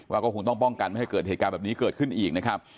ว่าก็คงต้องป้องกันไม่ให้เกิดเหตุการณ์แบบนี้เกิดขึ้นอีกนะครับ